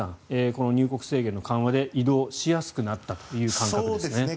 この入国制限の緩和で移動しやすくなったという感覚ですね。